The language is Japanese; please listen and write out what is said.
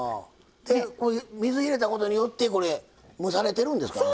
水、入れたことによって蒸されてるんですか？